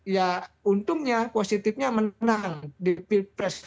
ya untungnya positifnya menang di pilpres